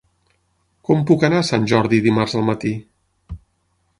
Com puc anar a Sant Jordi dimarts al matí?